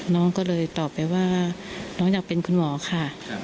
น้องก็เลยตอบไปว่าน้องอยากเป็นคุณหมอค่ะ